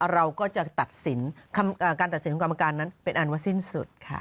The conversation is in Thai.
เราก็จะตัดสินการตัดสินของกรรมการนั้นเป็นอันว่าสิ้นสุดค่ะ